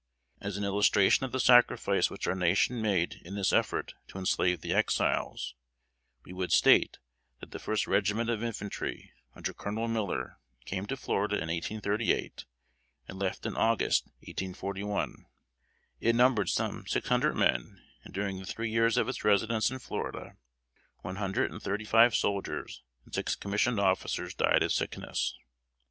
As an illustration of the sacrifice which our nation made in this effort to enslave the Exiles, we would state, that the 1st regiment of Infantry, under Colonel Miller, came to Florida in 1838, and left in August, 1841. It numbered some six hundred men, and during the three years of its residence in Florida, one hundred and thirty five soldiers and six commissioned officers died of sickness.